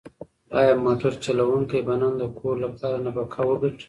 ایا موټر چلونکی به نن د کور لپاره نفقه وګټي؟